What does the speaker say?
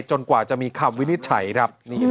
กว่าจะมีคำวินิจฉัยครับ